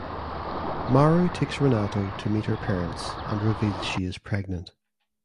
Maru takes Renato to meet her parents and reveals she is pregnant.